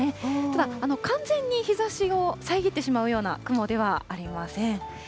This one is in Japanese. ただ完全に日ざしを遮ってしまうような雲ではありません。